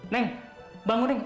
neng bangun neng